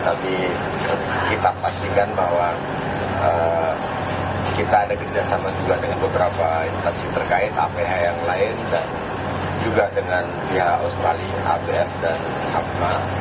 tapi kita pastikan bahwa kita ada kerjasama juga dengan beberapa instansi terkait aph yang lain dan juga dengan pihak australia abf dan happ